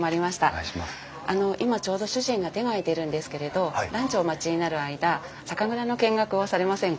あの今ちょうど主人が手が空いているんですけれどランチをお待ちになる間酒蔵の見学をされませんか？